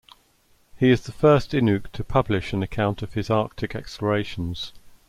He is the first Inuk to publish an account of his Arctic explorations.